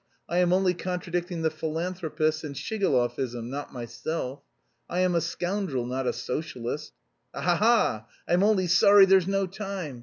I am only contradicting the philanthropists and Shigalovism, not myself! I am a scoundrel, not a socialist. Ha ha ha! I'm only sorry there's no time.